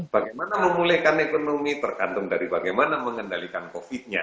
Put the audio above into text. bagaimana memulihkan ekonomi tergantung dari bagaimana mengendalikan covid nya